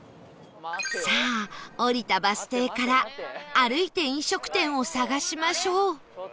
さあ降りたバス停から歩いて飲食店を探しましょう